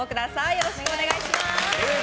よろしくお願いします。